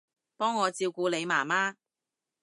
幫我照顧你媽媽